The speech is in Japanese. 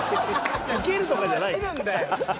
ウケるとかじゃない。